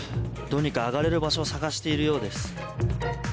どうにか上がれる場所を探しているようです。